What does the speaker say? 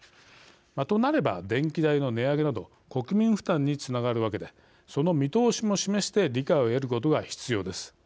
となれば、電気代の値上げなど国民負担につながるわけでその見通しも示して理解を得ることが必要です。